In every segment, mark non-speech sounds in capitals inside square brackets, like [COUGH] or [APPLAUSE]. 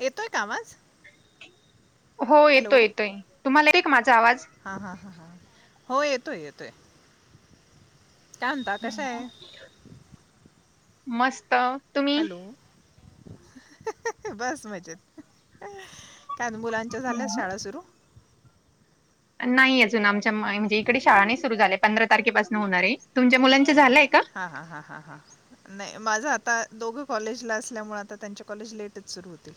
ए तोय का आवाज. हो येतोय येतोय तुम्हाला येतोय का माझा आवाज. हा हा ह ह हो येतोय येतोय. काय म्हणता कशा आहे मस्त. तुम्ही हॅलो बस मजेत. काद मुलांच्या झाल्या शाळा सुरू. नाही अजून आमच्या म्हणजे इकडे शाळा नाही सुरू झाल्याय पंधरा तारखेपासून होणार आहे तुमच्या मुलांच झालंय का. हा हा हा हा हा. नाही माझ आता दोघं कॉलेजला असल्यामुळे आता त्यांच्या कॉलेज लेटच सुरू होतील.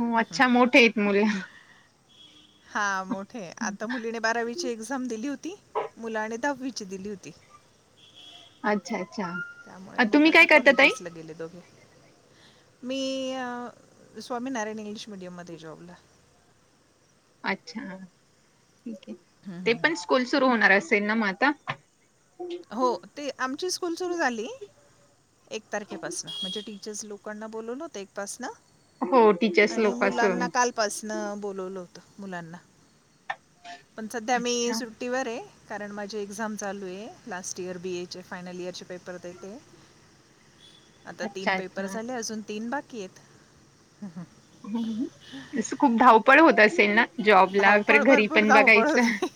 हो अच्छा मोठे आहेत मुल. हा मोठे आता मुलीने बारावीची एक्झाम दिली होती मुलाने दहावीची दिली होती. अच्छा अच्छा. त्यामुळे अ, मग तुम्ही काय आता करता ताई कॉलेजेसला गेले दोघे. मी स्वामीनारायण इंग्लिश मिीडियमध्ये जॉबला. अच्छा ठीक आहे ते पण स्कूल सुरू होणार असेल ना मग आता. हो ते आमची स्कूल सुरू झाली. एक तारखेपासन म्हणजे टीचर्स लोकांना बोलवून होत एक पाासन. हो टीचर्स आणि लोक असून मुलांना कालपासन बोलवलं होतं मुलांना. पण सध्या मी अच्छा सुट्टीवर आहे. कारण माझी एक्झाम चालू आहे लास्ट इयर बी एचे फायनल इयरचे पेपर देते. आता अच्छा तीन पेपर अच्छा आले अजून तीन बाकी आहेत. [INAUDIBLE] तिथे खूप धावपळ होत असेल ना. जॉबला परत धावपळ घरी भरपूर पण धावपळ बघायचं होते.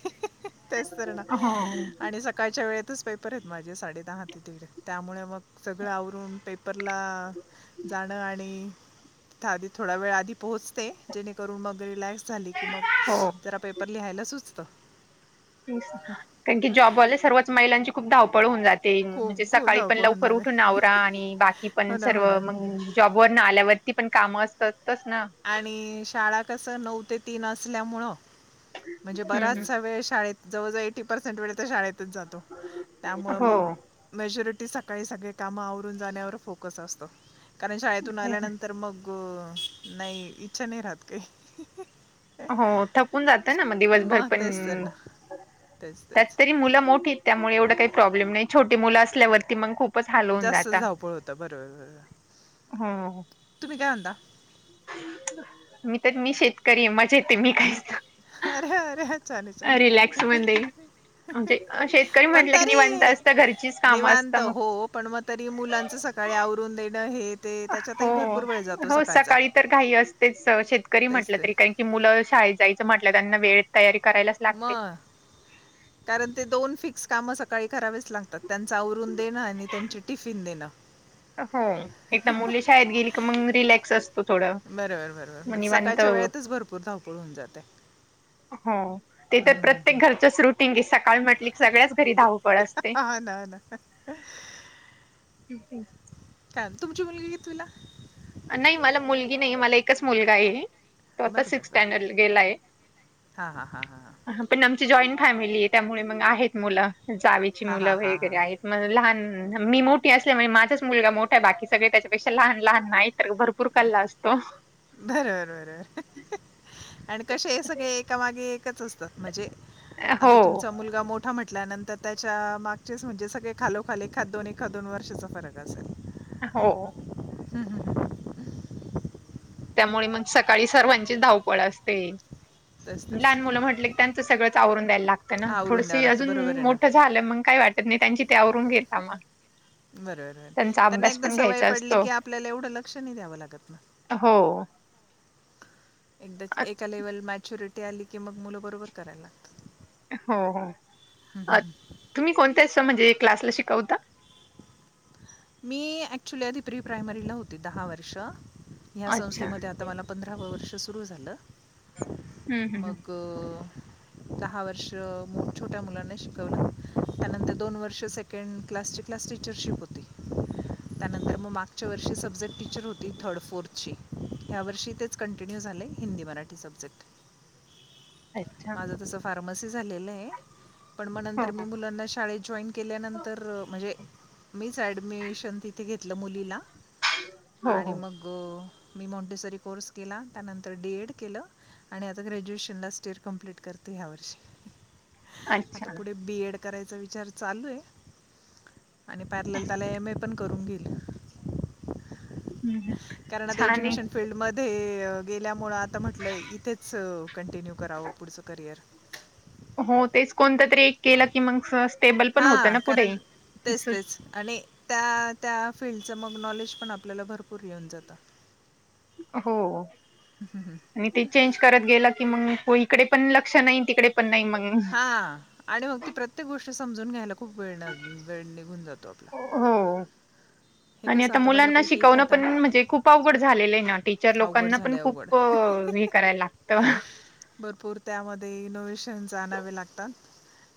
तेच तर ना हो आणि सकाळच्या वेळेतच पेपर आहेत माझे साडे दहा ते तीिकडे. त्यामुळे मग सगळं आवरून पेपरला जाणं आणि. आधी थोडा वेळ आधी पोहचते जेणेकरून मग रिलॅक्स. झाली की मग हो जरा पेपर लिहायला सुचत. कारण की जॉबवाले सर्वच महिलांची खूप धावपळ होऊन जाते. ते म्हणजे खूप खूप सकाळी पण धावपळ होऊन लवकर जाते उठून आवरा आणि बाकी पण हो ना हो सर्व ना मग. जॉबवरर न आल्यावरती पण कामं असतातच ना. आणि शाळा कस नऊ ते तीन असल्यामुळं. म्हणजे हम्म बराचसा वेळ शाळेत जवळजवळ एटी पर्सेंट वेळ तर शाळेतच जातो. हम्म त्यामुळं हो मग. मेजॉरिटी सकाळी सगळी कामं आवरून जाण्यावर फोकस असतो कारण शाळेतून आल्यानंतर मग. ग नाही इच्छा नाही राहत काय. ह. हो थपून जात ना मग दिवसभर पण तेच तर ना तेच त्यात तेच तरी मुलं मोठी. त्यामुळे एवढं काही प्रॉब्लेम नाही छोटे मुलं असल्यावरती मग खू. जास्त धावपळ होतं बरोबर. हा. तुम्ही काय म्हनता? मी तर मी शेतकरी आहे मजा येते मी काहीच अरे अरे चालेल मध्ये चाले म्हणजे शेतकरी पण म्हटलं की तरी निवांत असतं घरचीच कामं असतं निवांत मग हो पण मग तरी मुलांच सकाळी आवरून देणं हे ते हो त्याच्यातही भरपूर वेळ जातो हो सकाळचा सकाळी तर काही असतेच शेतकरी तेच म्हंटलं ते तरी काही की मुलं शाळेत जायचं म्हटलं त्यांना वेळ तयारी करायला. मग. [INAUDIBLE] कारण ते दोन फिक्स काम सकाळी करावेच लागतात त्यांच आवरून देणं आणि त्यांची टिफिन देणं. हो एकदा मुली शाळेत गेली क मंग मी रिलॅक्स असते. बरोबर बरोबर सकाळच्या वेळेतच भरपूर धावपळ होऊन जाते. हो ते तर प्रत्येक घरचेच रुटींग की सकाळ म्हटलं की सगळ्याच घरी धावू हो ना हो ना. ब्युटीझ. तुमची मुलगी कितवीला? नाही मला मुलगी नाही मला एकच मुलगा आहे. तो आता बरं बरं सिक्स बरं स्टँडर्ड गेलाय. हां हां हां हां पण आमची जॉईंट फॅमिली आहे त्यामुळे मग आहेत मुलं जावेची हां मुलं हां हां वगैरे हां आहेत. म लहान मी मोठी असल्या म्हणज माझाच मुलगा मोठा आहे बाकी सगळे त्याच्यापेक्षा लहान लहान नाही. भरपूर कल्ला असतो. बरोबर बरोबर आणि कसे हे सगळे एकामागे एकच असतात म्हणजे. हो आता तुमचा मुलगा मोट मोठा म्हटल्यानंतर त्याच्या मागचेच म्हणजे सगळे खालोखाली एखाद दोन एखादोन वर्षाचा फरक असल. हो. हम हम ह. त्यामुळे मग सकाळी सर्वांचीच धावपळ असते. तेच तेच लहान मुलं म्हटल की त्यांचं सगळंच आवरून द्यायला लागतं ना आवरून द्यावं थोडशी लागतं अजून बरोबर आहे ना मोठ झा लं मग काही वाटत नाही त्यांची ते आवरून घेता मग. बरोबर त्यांचा त्यांना अभ्यास एकदा पण सवय घ्यायचा पडली असतो की आपल्याला एवढं लक्ष नाही द्यावं लागत ना. हो. एकदाच अ- एका लेव्हल मॅच्युरिटी आली की मग मुलंबरोबर करायला लागतात. हो हो. हम्म, हम्म, अ हम्म. तुम्ही कोणत्या अस म्हणजे क्लासला शिकवता? मी ऍक्च्युली आधी प्री प्रायमरीला होती दहा वर्ष. ह्या अच्छा संस्थेमध्ये आता मला पंधराव वर्ष सुरू झालं. हम् हम हम. अ. दहा वर्ष मोट छोट्या मुलांना शिकवलं त्यानंतर दोन वर्ष सेकंड क्लासचे क्लास टीचरशिप होती. त्यानंतर म मागच्या वर्षी सब्जेक्ट टीचर होती थर्ड फोर्थची. ह्या वर्षी तेच कंटिन्यू झाले हिंदी, मराठी सब्जेक्ट. अच्छा माझं तसं फार्मसी झालेलं आहे. पण नंतर हो मी मुलांना शाळेत जॉइन केल्यानंतर म्हणजे मीच ऍडमिशन तिथे घेतलं मुलीला. हो आणि हो मग ग मी मॉन्टेसरी कोर्स केला त्यानंतर डी एड केलं आणि आता ग्रॅज्युएशनला तर कंप्लीट करते ह्या वर्षी. आता अच्छा पुढे बी एड करायचा विचार चालूये आणि पॅरलल त्याला एम ए पण करून घेईल. हम्म हम्म कारण आता छान आहे. एज्युकेशन फील्डमध्ये गेल्यामुळं आता म्हटलं इथेच कंटिन्यू करावं पुढचं करियर. हो तेच कोणत तरी एक केलं की मंग सहज हा कारण तेच तेच आणि त्या त्या फिल््डचं मग नॉलेज पण आपल्याला भरपूर येऊन जातं. हो. आणि ते चेंज करत गेलं की मग इकडे पण लक्ष नाही तिकडे पण नाही मग हा आणि मग ती प्रत्येक गोष्ट समजून घ्यायला खूप वेळ वेळ निघून जातो आपला. हम. हे आणि कसं आता मुलांना बऱ्यापैकी इथे शिकवणं आता पण म्हणजे खूप अवघड झालेलं आहे ना, टीचर अवघड लोकांना पण झालंय खूप अवघड. प हे करायला लागतं. भरपूर त्यामध्ये इनोवे्हेशन्स आणावे लागतात.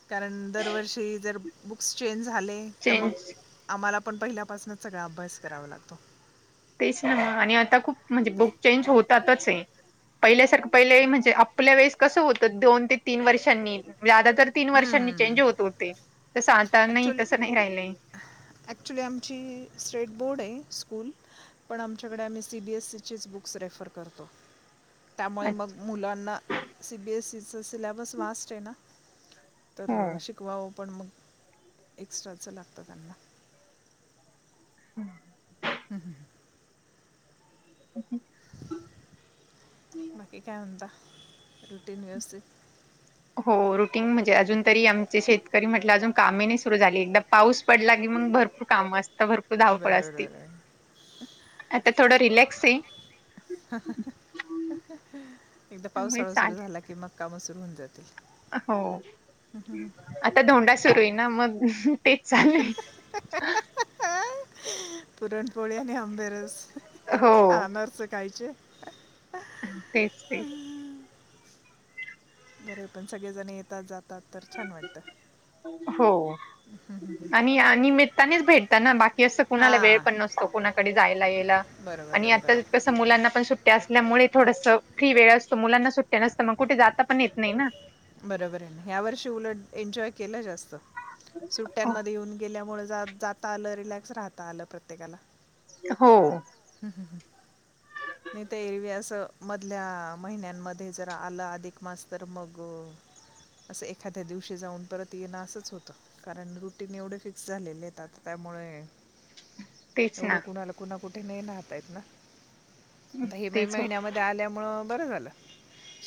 कारण दरवर्षी जर बुक्स चेंज झाले तर मग, चेंज आम्हाला पण पहिल्यापासूनच सगळा अभ्यास करावा लागतो. तेच ना मग आणि आता खूप म्हणजे बुक चेंज होतातच आहे. पहिल्यासारखं पहिले म्हणजे आपल्या वेळेस कसं होतं दोन ते तीन वर्षांनी जादा तर तीन हं, वर्षांनी हं. चेंज होत होते. तसं आता नाही ॲक्चुअली तसं नाही राहिलंय. ॲक्च्युली आमची स्ट्रेट बोर्ड आहे स्कूल. पण आमच्याकडे आम्ही सीबीएससी चीच बुक्स रेफर करतो. त्यामुळे मग मुलांना सीबीएससीच सिलॅबस वास्ट आहे ना. तर हम शिकवावं पण मग एक्स्ट्राचं लागतं त्यांना. हम्. हम हम हम. [INAUDIBLE] बाकी काय म्हनता रुटीन व्यवस्थित? हो रुटीन म्हणजे अजून तरी आमचे शेतकरी म्हटलं अजून कामही नाही सुरू झाले एकदा पाऊस पडला की मग भरपूर काम असत, भरपूर बरं धावपळ असती. बरं बरं आता थोडं रिलॅक्स आहे. एकदा त्यामुळे पावसाळा सुरु चालेल झाला की मग काम सुर होऊन जातील. हो आता धोंडा सुरू आहे ना मग तेच चाललंय पुरणपोळी आणि आंबेरस, हो आनारसे खायचे तेच ते बरे पण सगळेजण येतात, जातात तर छान वाटतं. हो आणि या निमितानीच भेटताना बाकी की असं कुणाला वेळ हां पण नसतो कुणाकडे जायला, यायला बरोबर आणि आहे आता बरोबर कस? मुलांना पण सुट्ट्या असल्यामुळे थोडस फ्री वेळ असतो. मुलांना सुट्ट्या नसतं मग कुठ जाता पण येत नाही ना? बरोबर आहे. ह्या वर्षी उलट एन्जॉय केलं जास्त सुट्ट्यांमध्ये येऊन गेल्यामुळे जाता आलं, रिलॅक्स राहता आलं प्रत्येकाला हो. हू हू हू. नाही तर एरवी आस मधल्या महिन्यांमध्ये, जर आलं अधिक मास तर मग अ असं एखाद्या दिवशी जाऊन परत येणं असंच होतं. कारण रुटीन एवढे फिक्स झालेले आहेत आता त्यामुळे तेच एवढं ना कुणाला पूणा कुठे नाही राहतायेत ना? आता हे मे तेच हो महिन्यामध्ये आल्यामुळ, बरं झालं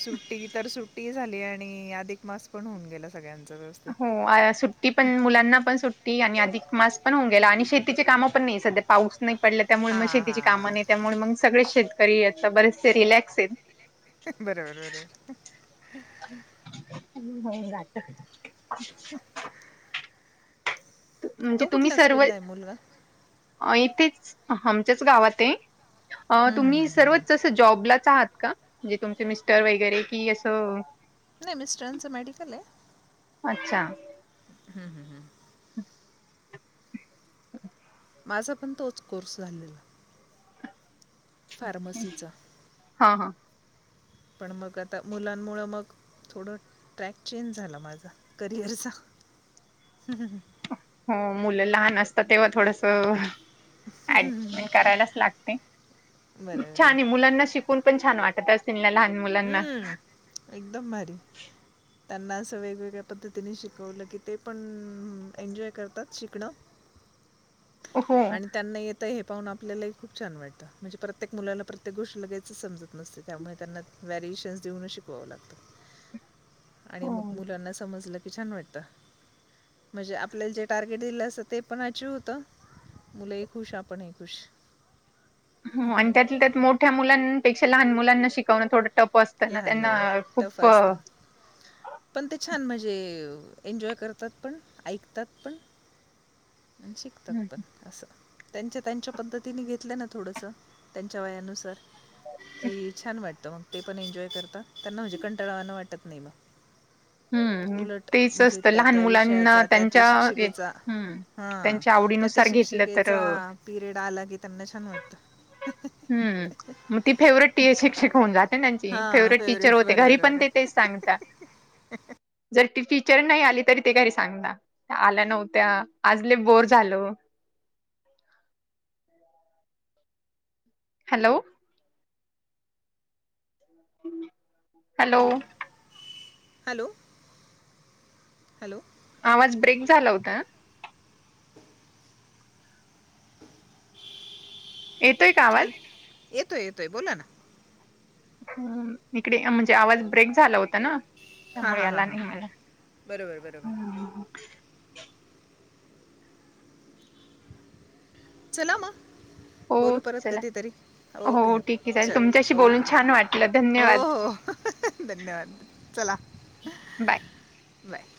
सुट्टी तर सुट सुट्टी झाली आणि अधिक मास पण होऊन गेला, सगळ्यांचा व्यवस्थित हो आया सुट्टी पण मुलांना पण सुट ते आणि अधिक मास पण होऊन, गेला आणि शेतीची काम पण नाही सध्या पाऊस नाही पडल्या त्यामुळे हां, मग शेतीची कामं हां. नाही, त्यामुळे मग सगळे शेतकरी आता बरेचसे रिलॅक्स आहेत. बरोबर बरोबर हम् व्हय जात. तो म्हणजे तुम्ही कुठल्या सर्व स्कूलला आहे मुलगा येथेच आमच्याच गावातए हम्म, हम्म, तुम्ही हम्म, हम्म, सर्वच हम्म. तीथ जॉबलाच आहात का? म्हणजे तुमचे मिस्टर वगैरे कि असं नाही मिस्टरांच मेडिकल आहे. अच्छा माझा पण तोच कोर्स झालेला फार्मसीचा हा हा. पण मग आता मुलांमुळ मग थोड ट्रॅक चेंज झाला माझा करिअरचा [UNINTELLIGIBLE] हो मुलं लहान असतात तेव्हा थोडस ऍडजेस्टमेंट करायलाच लागते. खूप छान आहे मुलांना शिक फोन पण छान वाटत असतील, ना लहान मुलांना हम्म, एकदम भारी त्यांना असं वेगवेगळ्या पद्धतीने शिकवलं, की ते पण एन्जॉय करतात, शिकण हो. आणि त्यांना येत ते हे पाहून आपल्यालाही खूप छान वाटतं, म्हणजे प्रत्येक मुलाला प्रत्येक गोष्टी लगेचच समजत नसते, त्यामुळे त्यांना ती व्हॅरिएशन्स देऊनच शिकवावं लागतं आणि हो. मग मुलांना समजलं की, छान वाटत म्हणजे आपल्याला जे टार्गेट दिलं असं ते पण अचिव्ह होत. मुलं ही खुश आपण ही खुश हो आणि त्यातल्या त्यात मोठ्या मुलांपेक्षा लहान मुलांना शिकवणं थोडं टफ असत. त्यांना लहान बाल त्यांना टफ खूप असतं पण ते छान म्हणजे एन्जॉय करतात पण, ऐकतात पण आणि शिकतात पण असं त्यांच्या त्यांच्या पद्धतीने घेतलं, ना थोडस त्यांच्या वयानुसार कि छान वाटतं मग ते पण एन्जॉय करतात, त्यांना म्हणजे कंटळावान वाटत नाही मग हम्म उलट तेच म्हणजे असतं त्या लहान त्या मुलांना विषयाचा, त्या त्या त्यांच्या शिक्षिकेचा हम्म हा त्यांच्या त्या त्या आवडीनुसार घेतलं तर शिक्षिकेचा अ पिरियड आला की, त्यांना छान वाटतं. हुं. मग ती फेवरेट शिक्षक होऊन जाते, त्यांची हां फेवरेट टीचर होते. घरी बरोबर पण बरं ते तेच सांगता जर ती टीचर नाही आली, तरी ते घरी सांग ना त्या आल्या नव्हत्या, आज लई बोर झाल. हॅलो. हॅलो. हॅलो. हॅलो. आवाज ब्रेक झाला होता. [INAUDIBLE] येतोय का आवाज? येतोय येतोय बोला ना. हम्म इकडे, म्हणजे आवाज ब्रेक झाला होता ना. हां त्यामुळे हां हां आला हां नही मला, बरोबर बरोबर हम्म. चला म. हो बोलू परत चला कधी तरी, हो ओके ओके ठीक आहे चालेल चल तुमच्याशी बोलून ओके बाय, छान वाटलं हो धन्यवाद हो. धन्यवाद चला. बाय. बाय.